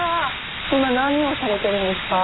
今何をされてるんですか？